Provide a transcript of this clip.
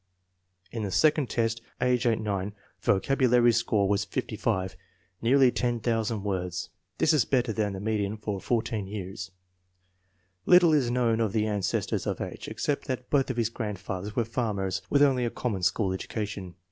In the second test, age 8 9, the vocabulary score was 55 (nearly 10,000 words). This is better than the median for 14 years. Little is known of the ancestors of H. except that both of his grandfathers were farmers with only a common school education.